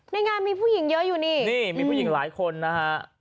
ในงานมีผู้หญิงเยอะอยู่นี่นี่มีผู้หญิงหลายคนนะฮะ